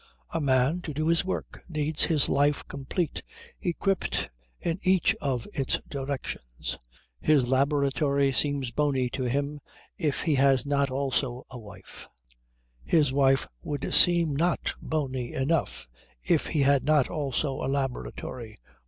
A man, to do his work, needs his life complete, equipped in each of its directions. His laboratory seems bony to him if he has not also a wife; his wife would seem not bony enough if he had not also a laboratory.